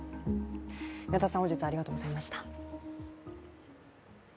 宮田さん、本日はありがとうございました。